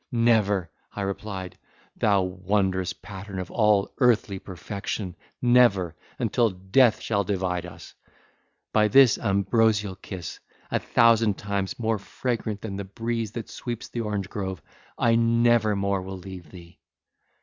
"Never," I replied, "thou wondrous pattern of all earthly perfection! never, until death shall divide us! By this ambrosial kiss, a thousand times more fragrant than the breeze that sweeps the orange grove, I never more will leave thee!"